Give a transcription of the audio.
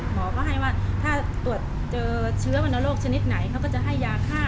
หมอก็ให้ว่าถ้าตรวจเจอเชื้อวันโรคชนิดไหนเขาก็จะให้ยาค่าของตัวนั้นอ่ะ